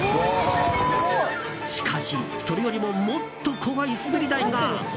しかし、それよりももっと怖い滑り台が。